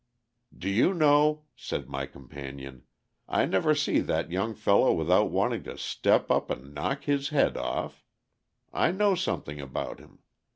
"Do you know," said my companion, "I never see that young fellow without wanting to step up and knock his head off. I know something about him.